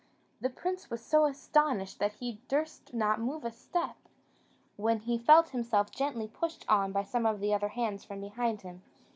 The prince was so astonished that he durst not move a step when he felt himself gently pushed on by some other hands from behind him.